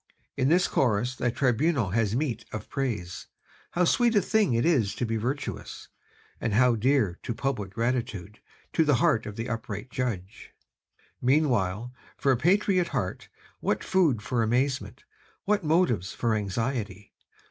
"In this chorus the Tribunal has its meed of praise. How sweet a thing it is to be virtuous, and how dear to public gratitude, to the heart of the upright judge! "Meanwhile, for a patriot heart, what food for amazement, what motives for anxiety!